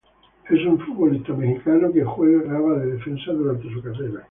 Es un exfutbolista mexicano que jugaba de defensa durante su carrera.